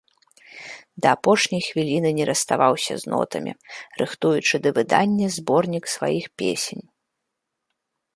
Да апошняй хвіліны не расставаўся з нотамі, рыхтуючы да выдання зборнік сваіх песень.